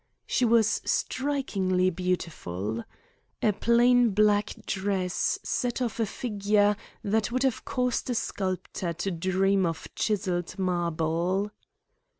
She was strikingly beautiful. A plain black dress set off a figure that would have caused a sculptor to dream of chiselled marble.